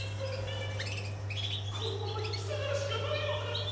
このままひきさがるしかないのか？